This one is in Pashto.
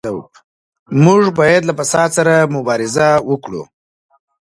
موږ بايد له فساد سره مبارزه وکړو.